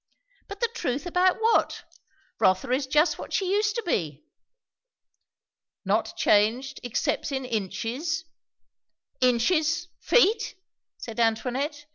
"But the truth about what? Rotha is just what she used to be." "Not changed except in inches?" "Inches! Feet! " said Antoinette.